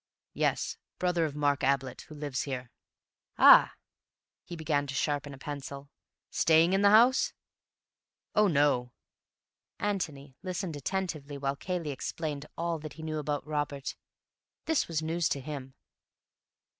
"Yes. Brother of Mark Ablett, who lives here." "Ah!" He began to sharpen a pencil. "Staying in the house?" "Oh, no!" Antony listened attentively while Cayley explained all that he knew about Robert. This was news to him.